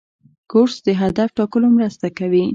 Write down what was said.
کورس د هدف ټاکلو مرسته کوي.